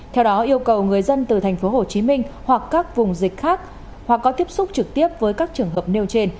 theo đó yêu cầu người dân từ thành phố hồ chí minh hoặc các vùng dịch khác hoặc có tiếp xúc trực tiếp với các trường hợp nêu trên